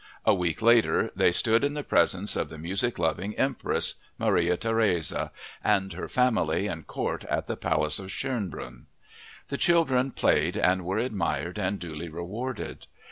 A week later they stood in the presence of the music loving empress, Maria Theresia, and her family and court at the Palace of Schönbrunn. The children played and were admired and duly rewarded.